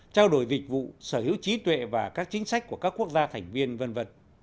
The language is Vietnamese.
trao đổi dịch vụ sở hữu trí tuệ và các chính sách của các quốc gia thành viên v v